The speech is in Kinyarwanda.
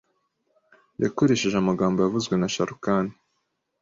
yakoresheje amagambo yavuzwe na ShahRukh Khan